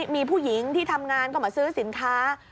มีผู้หญิงที่ทำงานก็มาซื้อสินค้า